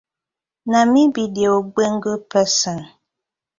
Na mi bi de ogbonge pesin.